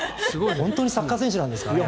本当にサッカー選手なんですかね？